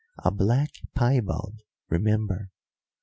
A black piebald remember.